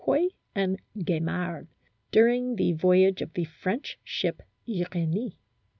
Quoy and Gaimard during the voyage of the French ship Uranie.